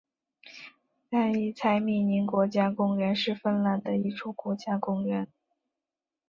塞伊采米宁国家公园是芬兰的一处国家公园。